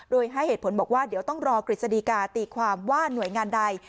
โดยให้เหตุผลบอกว่าเดี๋ยวต้องรอกฤษฎีกาตีความว่าหน่วยงานใด